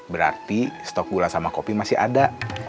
berarti stok gula sama kopi masih ada